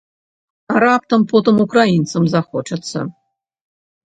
А раптам потым украінцам захочацца?